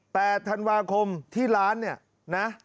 ธันวาคมที่ร้านเนี่ยนะ